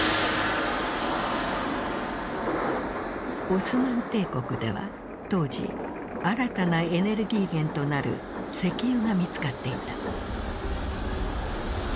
オスマン帝国では当時新たなエネルギー源となる石油が見つかっていた。